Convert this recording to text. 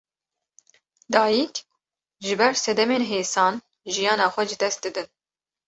Dayîk, ji ber sedemên hêsan jiyana xwe ji dest didin